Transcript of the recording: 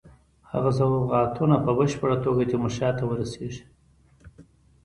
هغه سوغاتونه په بشپړه توګه تیمورشاه ته ورسیږي.